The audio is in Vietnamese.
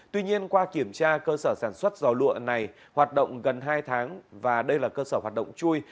tuy nhiên qua kiểm tra cơ sở sản xuất giò lụa này hoạt động gần hai tháng và đây là cơ sở hoạt động chui